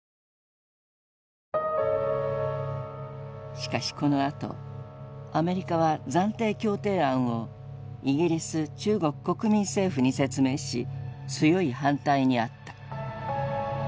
しかしこのあとアメリカは暫定協定案をイギリス中国・国民政府に説明し強い反対に遭った。